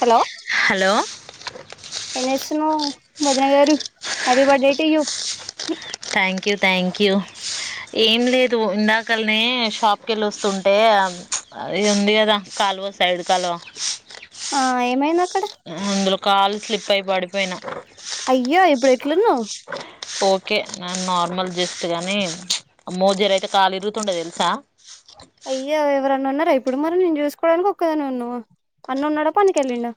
Hello hello ఎస భదన గారు happy birthday to thank you thank you ఏం లేదు ఇందాకల్ని షాప్ క వెళ్ళి వస్తుంటే అది ఉంది కదా క సైడ్ కాల ఆ ఏమైంద అక్కడ అందులో కాలు స్లిప్ అయి పడిపోయినా అయ్యా ఇప్పుడు ఎట్లులను ఓకే న నార్మల్ జస్ట్ గాని మోజీర అయితే కాలు ఇరుగుతుండే తెలుసా అయ్య ఎవరన్నా ఉన్నారా ఇప్పుడు మరి నేను చూసుకోవడానికి ఒక్కదాని ఉన్నా అన్న ఉన్నాడా పనికిళ్ళింండ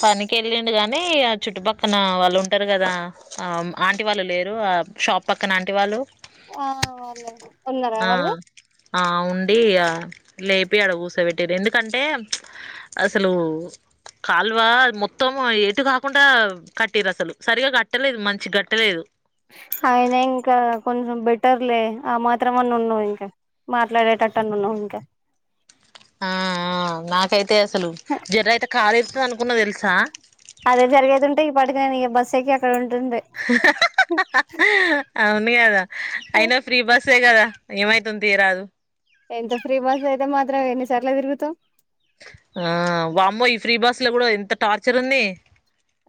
పనికి వెళ్ళండు కాగాని ఆ చుట్టుపక్కన వాళ్ళు ఉంటారు కదా ఆ ఆంటి వాళ్ళు లేరు షాప్ పక్కనంటి వాళ్ళు ఆ వల్ల ఆ ఆ ఉండి ఆ లేపి అడ గోసబెట్టిర్రు ఎందుకంటే అసలు కాల్వ మొత్తం ఏటు గాకుండా కట్టిర్రు అసలు సరిగా కట్టలేదు మంచిగ్గట్టలేదు అయిన ఇంకా కొంచెం బెటర్లే ఆ మాత్రము అన్న ఉన్నావ్ ఇంకా మాట్లాడేటట్టు అన్న ఉన్నావ్ ఇంకా ఆ ఆ నాకైతే అసలు జర్ర అయితే కాలిరిగుతది అనుకున్న తెలుసా అదే జరిగేది ఉంటే ఈపాటికి నేను ఏ బస్ ఎక్కి అక్కడ ఉం అవును కదా అయినా ఫ్రీ బస్సే కదా ఏమైతుంది తీరాదు ఎంత ఫ్రీ బస్ అయితే మాత్రం ఎన్నిసార్ల తిరుగుతావ్ ఆ వామ్మో ఈ ఫ్రీ బాస్ లో కూడా ఎంత టార్చర్ ఉంది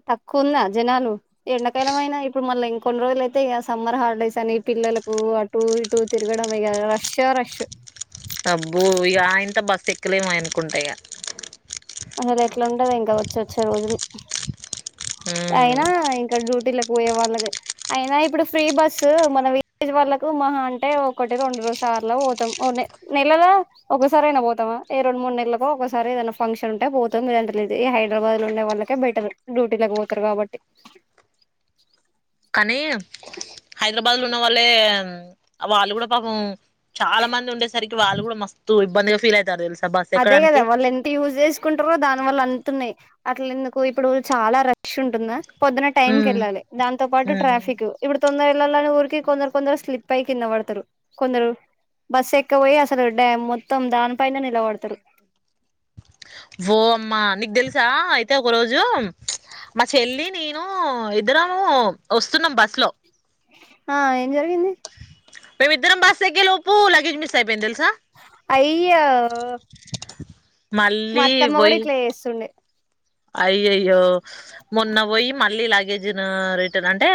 తక్కువ ఉన్న జనాలు ఎండకాయలమైన ఇప్పుడు మళ్ళ ఇం కొన్ని రోజులు అయితే ఇక సమ్మర్ హాలిడేస్ అని పిల్లలకు అటు ఇటు తిరగడం ఇగ రష్యో రష్షు అబ్బో ఇగ ఆయన తో బస్సు ఎక్కలేముయనుకుంటా ఇగ అసలు ఎట్లా ఉంటది ఇంకా వచ్చి వచ్చే రోజులు ఇక అయినా ఇంక డ్యూటీలక్ పోయే వాళ్ళదె అయినా ఇప్పుడు ఫ్రీ బస్సు మన విలేజ్ వాళ్ళకు మహా అంటే ఒకటి రెండు రోజు స సార్లో బోతాం నెలల ఒకసారి అయినా పోతామా ఏ రెండు మూడు నెల్లకో ఒకసారి ఏదైనా ఫంక్ష ఉంటే పోతాం లేదంటే లేదు ఏ హైదరాబాద్ లో ఉండే వాళ్ళకె బెటరు డ్యూటీ లకి బోతారు కాబట్టి నే హైదరాబాద్ లో ఉన్న వాళ్ళే వాళ్ళు గూడా పాపం చాలా మంది ఉండేసరికి వాళ్ళు గూడా మస్తు ఇబ్బందిగా ఫీల్ అయితారు దెల్స అదే గదా వాళ్ళు ఎంత యూజ్ జేసుకుంటారో దాని వల్ల అంతున్నాయ్ అట్లెందుకు ఇప్పుడు చాలా రష్షు ఉంటుందా పొద్దున టైంకెళ్ళాలి దాంతో పాటు ట్రాఫికు ఇప్పుడు తొందర ఎళ్ళాలని ఊరికి కొందరు కొందరు స్లిపై కింద వడతరు కొందరు బస్స్ ఎక్కవొయ్ అసలు డ్యామ్ మొత్తం దానిపైనే నిలబడతరు ఓమ్మా నీకు దెలుసా అయితే ఒక రోజు మా చెల్లి నేను ఇద్దరము వస్తున్నాం బస్ లో ఆ ఏం జరిగింది మేమిద్దం బస్సెక్కే లోపు లగేజ్ మిస్ అయిపోయింది దెలుసా అయ్యో మా మళ్ళీ అత్తమ్మ కూడా వొయ్ ఇట్లా చేస్తుండే అయ్యయ్యో మొన్న బొయి మళ్ళీ లాగేజీను రిటర్న్ అంటే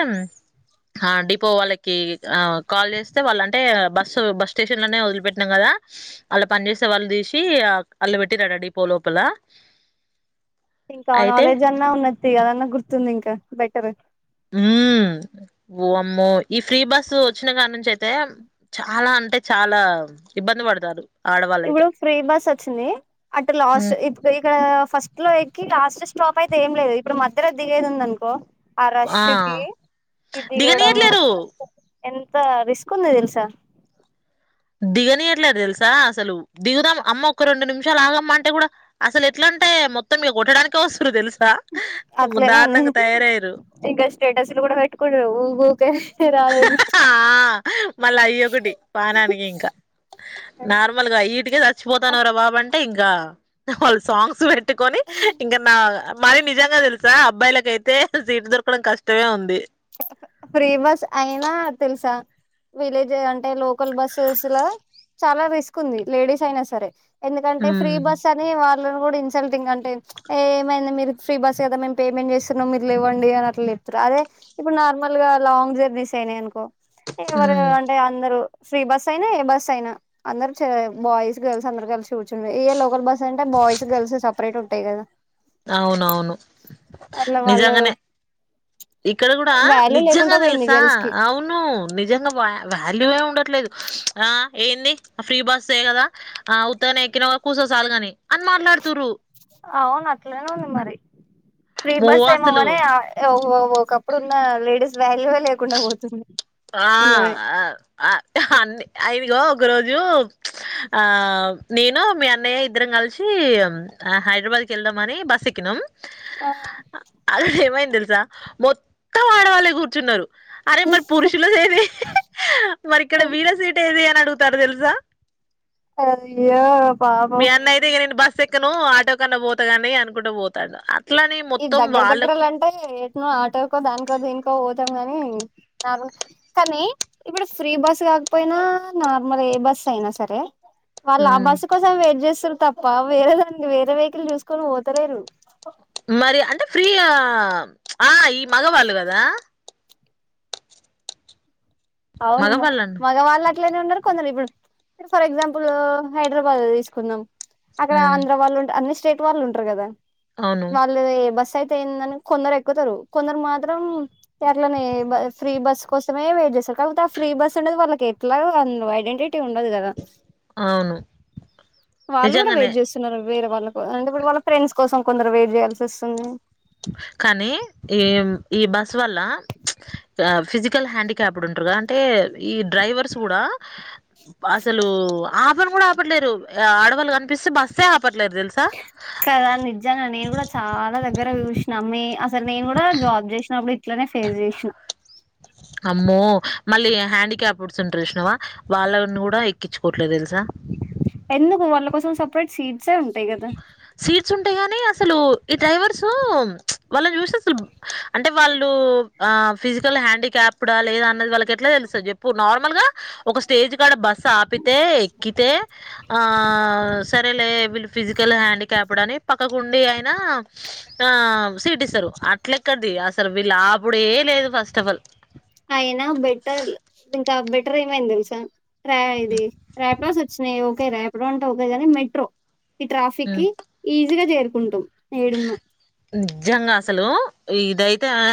కా డిపో వాళ్ళకి కాల్ జేస్తే వాళ్ళ అంటే బస్సు బస్ స్టేషన్ లోనే వదిలిపెటినాం కదా ఆ అళ్లా పని జేసే వాళ్ళు దీసి అల్ల పెట్టిండ్రట డిపో లోపల ఇంకా ఆ అయితే నాలెడ్జ్ అన్నా ఉన్నది అదన్నా గుర్తుంది ఇంకా బెటరు ఊ ఓమ్మో ఈ ఫ్రీ బస్ వచ్చిన కాన్నుంచి నుంచి అయితే చాలా అంటే చాలా ఇబ్బంది వడతారు ఇబ్బుడు ఫ్రీ బస్ వొచ్చింది అట్ లాస్ట్ ఇప్పు ఇక ఫస్ట్ లో ఎక్కి లాస్ట్ స్టాప్ అయితే ఏం లేదు ఇప్పుడు మధ్యలో దిగేదుందనుకో ఆ రష్షుకి ఈ దిగడము దిగనీయట్లేరు ఎంత రిస్కుందో దెలుసా దిగనియట్లేదు దెలుసా అసలు దిగుదాం అమ్మ ఒక రెండు నిమిషాలు ఆగమ్మా అంటే గూడా అసలు ఎట్లా అంటే మొత్తం మేం గొట్టడానికి వొస్తురు దెలుస్ అట్లనే ఉంది ఇంక స్టేటస్లు గూడా పెట్కొ ఊఊకే [unintelligible] ఆ మళ్ళా అయ్యొకటి పానానికి ఇంకా అ నార్మల్ గా ఈటికే చచ్చిపోతాన్నాం రా బాబ అం అంటే ఇంగా వాళ్ళు సాంగ్స్ పెట్టుకొని ఇంకా నా మైం నిజంగా దెలుసా అబ్బాయిలకైతే సీటు దొరకడం కష్టమే ఉంది ఫ్రీ బస్ అయినా తెలుసా విలేజ్ అంటే లోకల్ బస్సెస్ లో చాలా రిస్క్ ఉంది లేడీస్ అయినా సరే ఎందుకంటే ఫ్రీ ఉమ్ బస్ అని వాళ్ళ ఇన్సల్టింగ్ అంటే ఏమ మీరు ఫ్రీ బస్ కదా మేము పేమెంట్ చేస్తున్నాం మీరు లేవ్వండి అని అట్లేదు అదే ఇప్పుడు నార్మల్ గా లాంగ్ జర్నీస్ అయినాయి అనుకో ఎవరు ఉమ్ అంటే అందరుూ ఫ్రీ బస్ అయినా ఏ బస్ అయినా అందరరు బాయ్స్ గర్ల్స్ అందరు కలిసి కూర్చుంటే ఏ లోకల్ బస్ అంటే బోయిస్ గర్ల్స్ సపరట్ ఉంటట్టయి అవునవును అట్లా వాళ్ళు నిజంగానే ఇక్కడ కూడా వాల్యూ లేకుండా నిజంగా పోయింది తెలుసా గర్ల్స్ కి అవును నిజంగా వాల్యూ ఏ చట్లేదు ఆ ఏంది ఫ్రీ బస్ చేయ కదా ఆ ఉత్తని ఎక్కిన కూర్చో చాలుగాని మాట్లాడుతురు అవున అట్లేనే ఉంది మరి ప్రీ మో బస్ అసలు ఏమ్వనే ఓక్కప్పుడు ఉన్న లేడీస్ వాల్యువే లేకుండా పోతుంది ఆ ఉన్నవే అన్ని ఐదుగ ఒక రోజు ఆ నేను మీ అన్నయ్య ఇద్దరం కలిసి హైదరాబాద్ క వెళ్ద మనీ బస్ ఎక్కినమ్ అసలు ఏమైంది తెలుసా మొత్తం ఆడవాళ్ళే కూర్చున్నారు అరే మరి పురుషుల ఏది మరి ఇక్కడ వీర సీట్ ఏది అని అడుగు పర్దల్సా అ్య మీ అన్న అయితే ఇక నేను బస్సు ఎక్కను ఆటో కన్నా పోతాగాని అనుకుంటూ పోతాడు అట్లానే ఇది మొత్తం దగ్గర దగ్గర వాళ్ళకు అంటే ఎట్ ఆటోకో దానికో దీనికో కాని నార్మల్ కానీ ఇప్పుడు ఫ్రీ బస్ కాకపోయినా నార్మల్ ఏ బస్ అయినా సరే వాళ్ళు ఆ ఉమ్. బస్సు కోసం వెయిట్ చేస్త తప్ప వేరే దానికి వేరే వెహికల్ చూసుకొని పోఓతలేరు మరి అంటే ఫ్రీ ఆ ఈ మగవాళ్ళు కదా అవును మగవాళ్ళను మగవాళ్ళ ఇట్లనే ఉన్నారు కొందరు ఇప్పుడు ఫర్ ఎగ్జాంపుల్ హైదరాబాద్ తీసుకుందాం అక్కడ ఆంధ్ర వాళ్ళు ఉంట అన్ని స్టేట్ వాళ్ళు ఉంటారు కదా అవును వాళ్ళు బస్ అయితే ఏందని కొందరు ఎక్కుతారు కొందరు మాత్రం ఎర్లని ఫ్రీ బస్ కోసమే వెయిట్ చేస్తారు కాకపోతే ఆ ఫ్రీ బస్ ఉనేది వాళ్ళకి ఎట్లా అ ఐడెంటి ఉండదు కదా అవును వాళ్ళు కూడా నిజంగానే వెయిట్ చేస్తున్నారు వేరే వాళ్ళ కో అంటే ఇప్పుడు వాళ్ళ ఫ్రెండ్స్ కోసం కొందరు వెయిట్ చేయాల్సి వస్తుంది కానీ ఈ ఈ బస్ వల్ల ఫిజికల్ హ్యాండిక్యాప్ ఉంటు గా అంటే ఈ డ్రైవర్స్ కూడా అసలు ఆపను కూడా ఆపట్లేరు ఆడవాళ్ళు కనిపిస్తే బస్స్తే ఆప కదా నిజంగా నేను కూడా చాలా దగ్గర చూసినమ్మే సార్ నేను కూడా జాబ్ చేసినప్పుడు ఇట్లనే ఫేస్ చేసినా అమ్మో మళ్ళీ హ్యాండిక్యాప్స్ ఉంటారుసినవా వాళ్ళని కూడా ఎక్కించుకోవట్లేదు తెలుసా అప్పటి సీట్సే ఉంటాయి కదా సీట్స్ ఉంటాయి గానీ అసలు ఈ డ్రైవర్స్ వాళ్ళని చూస్త అసలు అంటే వాళ్ళు ఫిజికల్ హ్యాండిక్యాప్డా లేదా అన్నది వాళ్ళకి ఎట్లా తెలుస్తుంది చెప్పు నార్మల్ గా ఒక స్టేజ్ కాడ బస్సు ఆపితే ఎకితే ఆ సరేలే బ ఫిజికల్ హ్యాండిక్యాప్ అని పక్కకుండి అయిన ఆ సీట్ ఇస్తారు అట్ల ఎక్కడది అసలు విళ్లు అప్పుడే లేదు ఫస్ట్ ఆఫ్ ఆల్ అయినా బెటర్ ఇంకా బెటర్ ఏమైంది తెలుసా ర ఇది రాపిడోస్ వచ్చినాయి ఓకే రాపిడో అంటే ఓకె కానీ మెట్రో ఈ ట్రాఫిక్ కి హ్మ్. ఈజీగా చేరుకుంటాం ఎటర్ ఎడున్న నిజంగా అసలు ఇదైతే ఆ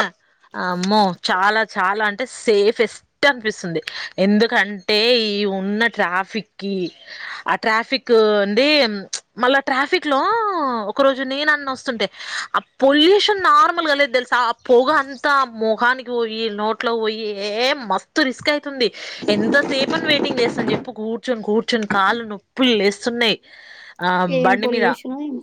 అమ్మో చాలా చాలా అంటే సేఫెస్ట్ అనిపిస్తుంది ఎందుకంటే ఈ ఉన్న ట్రాఫిక్కిి ఆ ట్రాఫిక్ అండి మళ్ళా ట్రాఫిక్ లో ఒక రోజు నేను వస్తుంటే ఆ పొల్యూషన్ నార్మల్గా లేదు తెలుసా ఆ పొగ అంతా మొహనికి పోయి నోట్లో పోయి ఏ మస్తు రిస్క్ అయితుంది ఎంతసేపుని వెయిటింగ్ చేస్తాను చెప్పు కూర్చొని కూర్చోని కూర్చొని కాళ్లు నొప్పులు లేస్తున్నాయి ఆ ఏం బండి మీద పొల్యూషన్ ఏమో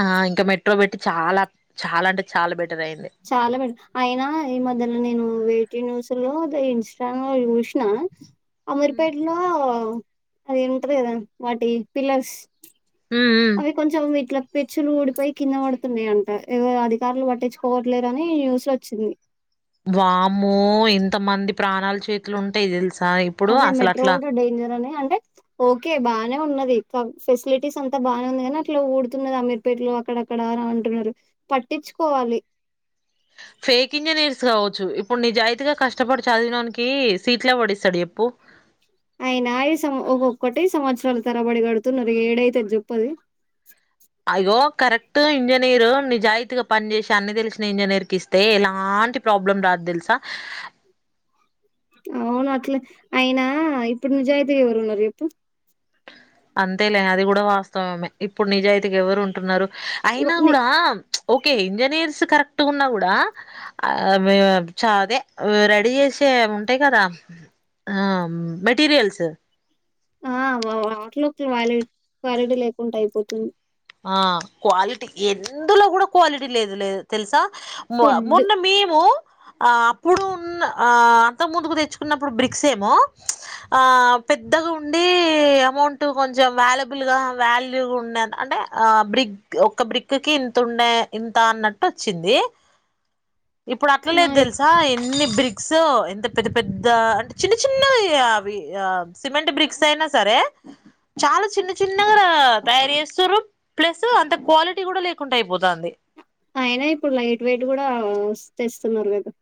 ఆ ఇంకా మెట్రో పెట్టి చాలా చాలా అంటే చాలా బెటర్ అయింది చాలా బెట్ అయినా ఈ మధ్యలో నేను వేటూ న్యూస్ న్యూస్ లో దే ఇంస్టానో లో చూసిన అమర్ పెటలో అది ఉంటది కదా వాటి పిల్లర్స్ ఉ అవి కొంచం ఇట్లా పెచ్చులు ఊడిపో కింద పడుతున్నాయంట ఎవరు అధికారులు పట్టించుకోవట్లేరని న్యూస్ ఎ వచ్చింది వామ్మో ఎంత మంది ప్రాణాలు చేతులు ఉంటాయి తెలుసు అదే మెట్రో కూడా డేంజర్ అనే అ అంటే ఓకే బాగానే ఉన్నది ఫెసిలిటీస్ అంతా బానే ఉంది కానీ అట్లా ఊడుతున్నది అమిర్పేట్ లో అక్కడ అక్కడక్కడ అంటున్నారు పట్టించుకోవాలి [unintelligible] ఫేక్ ఇంజనీర్స్ కావోచ్చు ఇప్పుడు నిజాయితీగా కష్టపడి చదివినోనికి సీట్లు ఎవడిస్తాడు చెప్పు ప్పు అయినాయ సం ఒక్కోటి సంవత్సరాలు తరబడి కడుతున్నాది ఏడైతదు చెప్పది [unintelligible] అయ్యో కరెక్ట్ ఇంజనీరు నిజాయితీగా పని చేసి అన్ని తెలిసిన ఇంజనీర్ క ఇస్తే ఇలా ఎలాంటి ప్రాబ్లం రాదు తెలుసా అవును అట్లే అయినా ఇప్పుడు నిజాయితీగా ఎవరు ఉన్నారు చెప్పు అంతేలే అది కూడా వాస్తవమే ఇప్పుడు నిజాయితీకి ఎవరు ఉంటున్నారు ఇగో అయినా ని కూడా ఓకే ఇంజనీర్స్ కరెక్ట్ కరెక్ట్ కున్నా కూడా ఆ చాదే రెడీ చేసే ఉంటాయి కదా ఆ మ్ మెటీరియల్స్ ఆ వాటిలో క్వాలి క్వాలిటీ లేకుంటే అయిపోతుంది ఆ క్వాలిటీ ఎందులో కూడా క్వాలిటీ లేదు లే తెలుసా మ ఫుడ్ మొన్న మేము ఆ అప్పుడు ఉన్న ఆ అంత ముందుకు తెచ్చుకున్నప్పుడు బ్రిక్స్ ఏమో ఆ పెద్దగా ఉండి అమౌంట్ కొంచెం వ్యాలబుల్ గా వాల్యూగా ఉండ అంటే ఆ బ్రిగ్ ఒక బ్రిక్కి ఇంత ఉండ ఇంత అన్నట్టు వచ్చింది ఇప్పుడు ఆ అట్లాలేదు ఇప్- తెలుసా అన్ని బ్రిక్స్ ఎంత పెద్ద పెద్ద అంటే చిన్న చిన్న అవి సిమెంట్ బ్రిక్స్ అయినా సరే చాలా చిన్న చిన్నగా తయారు చేస్తురు ప్లస్ అంత క్వాలిటీ కూడా లేకుండా అయిపోతాంది అయినా ఇప్పుడు లైట్ వెయిట్ కూడా తెస్తున్నారు కదా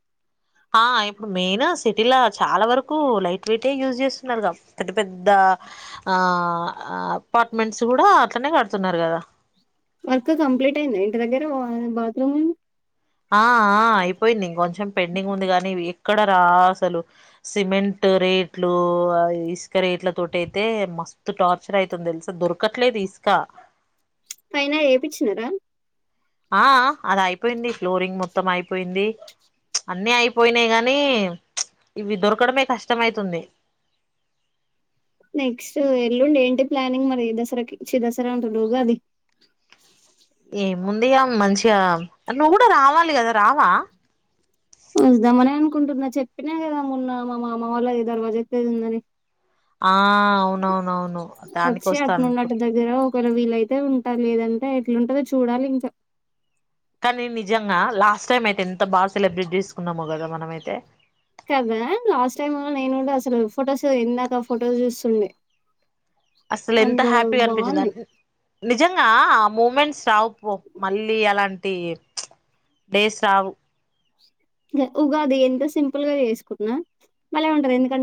ఆ ఇప్పుడు మెయిన్ సిటీలా చాలా వరకు లైట్ వెయిటే యూజ్ చేస్తున్నారుగా పెద్ద పెద్ద ఆ అపార్ట్మెంట్స్ కూడా అట్లనే కడుతున్నారు కదా వర్క్ కంప్లీట్ అయింది ఇంటి దగ్గర బాత్రూమ్ అవి ఆ ఆ అయిపోయింది ఇంకొంచెం పెండింగ్ ఉంది కానీ ఎక్కడ రా అసలు సిమెంట్ సిమెంట్ రేట్లు ఇసుక రేట్ల తోటి అయితే మస్తు టార్చర్ అయితుంది తెలుసా దొరకట్లేదు ఇస్కా పైన ఏపిచ్చినారా ఆ అది అయిపోయింది, ఫ్లోరింగ్ మొత్తం అయిపోయింది. అన్నీ అయిపోయినయి గాని ఇవి దొరకడమే కష్టమైతుంది. [inaudible] నెక్స్ట్ ఎల్లుండి ఏంటి ప్లానింగ్ మరి ఈ దసరాకి చ్చి దసరా అంటున్నా ఉగాదికి ఏముందిగా మంచిగా నువ్వు కూడా రావాలి కదా రావా వద్దామని అనుకుంటుంన చెప్పినా కదా మొన్న మా మామ వాళ్ళది దర్వాజా ఎత్తెది ఉందని. ఆ అవునవునవును దానికి వచ్చి అటునుండి వస్తాను అటు దగ్గర ఒకవేల వీలైతే తే ఉంటా లేదంటే ఎట్లుంటందో చూడాలి ఇంకా కానీ నిజంగా లాస్ట్ టైం అయితే ఎంత బాగా సెలెబ్రేట్ చేసుకున్నామో కదా మనమయితే కదా లాస్ట్ టైమ్ నేనుంటే అసలు ఫొటోస్ ఇందాక ఫొటో చూస్తుండే అసలు ఎంత అందులో హ్యాపీగా బాగున్నాయి అనిపించిందంటె నిజ జంగా ఆ మూమెంట్స్ రావుపో మళ్ళీ అలాంటి డేస్ రావు ఉగాది ఎంత సింపుల్ గా చేసుకున్నా బలే ఉంటది ఎందుకంటే